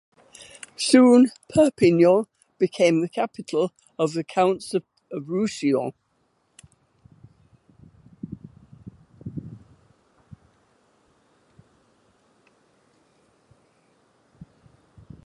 Soon Perpignan became the capital of the counts of Roussillon.